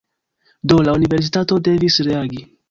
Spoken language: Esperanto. Do, la universitato devis reagi